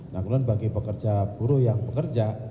nah kemudian bagi pekerja buruh yang bekerja